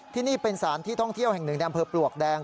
ที่นี่เป็นสารที่ท่องเที่ยวแห่งหนึ่งในอำเภอปลวกแดง